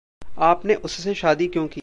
आप ने उससे शादी क्यों की?